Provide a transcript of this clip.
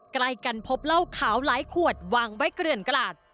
ใกล้กันพบเหล้าขาวหลายขวดวางไว้เกลื่อนกระลาด